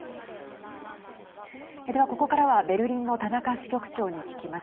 では、ここからはベルリンの田中支局長に聞きます。